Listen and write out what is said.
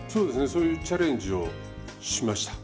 そういうチャレンジをしました。